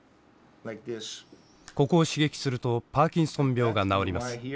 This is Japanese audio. ここを刺激するとパーキンソン病が治ります。